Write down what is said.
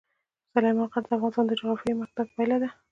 سلیمان غر د افغانستان د جغرافیایي موقیعت پایله ده.